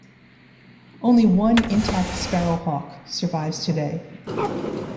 Only one intact Sparrowhawk survives today.